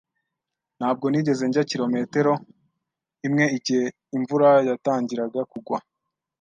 Ntabwo nigeze njya kilometero imwe igihe imvura yatangiraga kugwa.